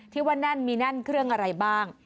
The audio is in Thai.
ที่ว่านั่นมีนั่นเครื่องอะไรบ้าง